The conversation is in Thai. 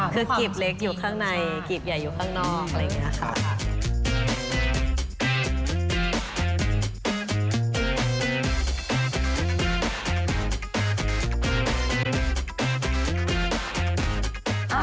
คือกรีบเล็กอยู่ข้างในกรีบใหญ่อยู่ข้างนอกอะไรอย่างนี้ค่ะ